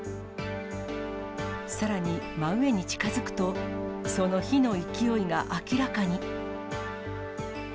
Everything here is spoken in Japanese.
さらに真上に近づくと、その火の勢いが明らかに。